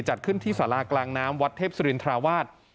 จัดขึ้นที่สารากลางน้ำวัดเทพศิรินทราวาส